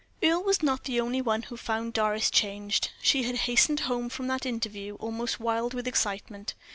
Earle was not the only one who found Doris changed. She had hastened home from that interview almost wild with excitement.